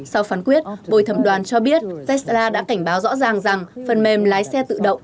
sau phán quyết bồi thẩm đoàn cho biết tesla đã cảnh báo rõ ràng rằng phần mềm lái xe tự động